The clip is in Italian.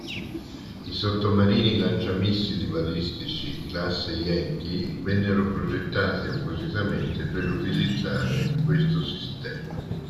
I sottomarini lanciamissili balistici classe Yankee vennero progettati appositamente per utilizzare questo sistema.